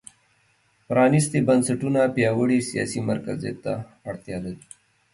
پرانېستي بنسټونه پیاوړي سیاسي مرکزیت ته اړتیا لري.